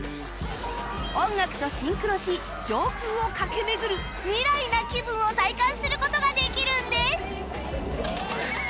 音楽とシンクロし上空を駆け巡る未来な気分を体感する事ができるんです！